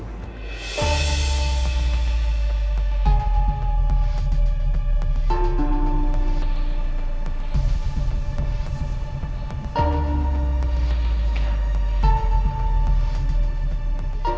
untuk ketemu kamu disini